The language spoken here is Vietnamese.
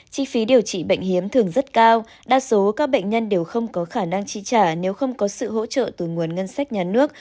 chi phí điều trị bệnh hiếm thường rất cao đa số các bệnh nhân đều không có khả năng chi trả nếu không có sự hỗ trợ từ nguồn ngân sách nhà nước